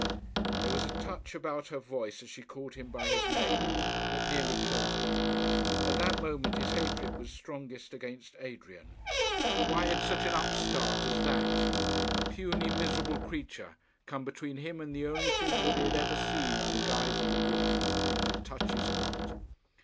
There was a touch about her voice as she called him by his name, that nearly killed him. At that moment his hatred was strongest against Adrian. Why had such an upstart as that, a puny, miserable creature, come between him and the only thing that he had ever seen in the guise of a woman that could touch his heart?